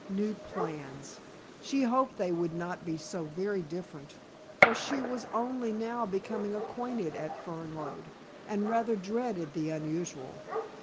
New plans! She hoped they would not be so very different, for she was only now becoming acquainted at Fernlode, and rather dreaded the unusual.